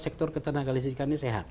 sektor ketenagakalistikannya sehat